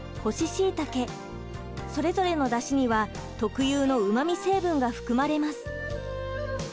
それぞれのだしには特有のうまみ成分が含まれます。